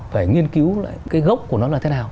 phải nghiên cứu lại cái gốc của nó là thế nào